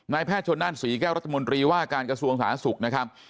แพทย์ชนนั่นศรีแก้วรัฐมนตรีว่าการกระทรวงสาธารณสุขนะครับ